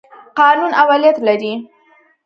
قانون اولیت لري.